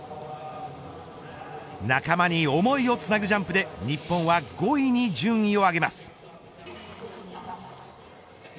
仲間に思いをつなぐジャンプで日本は５位に順位を上げます。